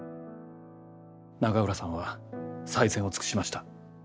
永浦さんは最善を尽くしました。